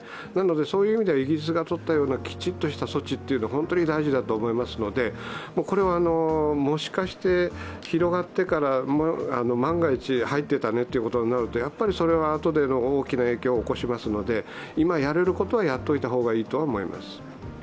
そういう意味ではイギリスがとったようなきちっとした措置は本当に大事だと思いますのでもしかして広がってから、万が一入っていたねということになるとそれは後で大きな影響を起こしますので今やれることは、やっておいたほうがいいとは思います。